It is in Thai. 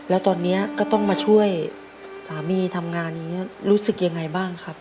แล้วตอนนี้ก็ต้องมาช่วยสามีทำงานอย่างนี้รู้สึกยังไงบ้างครับ